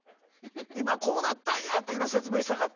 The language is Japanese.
今こうなったんやっていうのを説明したかった。